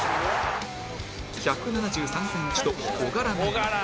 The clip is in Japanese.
１７３センチと小柄ながら